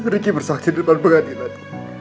ricky bersaksi di depan pengadilan